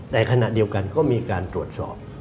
แต่ขณะเดียวกันก็มีการตรวจสอบ